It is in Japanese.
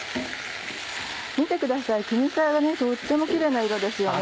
見てください絹さやがとってもきれいな色ですよね。